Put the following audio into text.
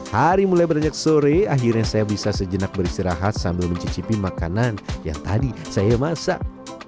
hari mulai beranjak sore akhirnya saya bisa sejenak beristirahat sambil mencicipi makanan yang tadi saya masak